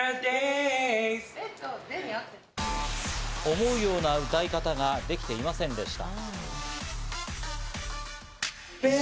思うような歌い方ができていませんでした。